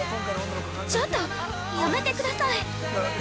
◆ちょっとやめてください！